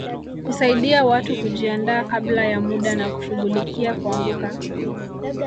Kusaidia watu kujiandaa kabla ya muda na kushughulikia kuanguka